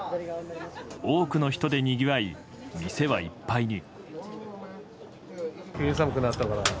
多くの人でにぎわい店はいっぱいに。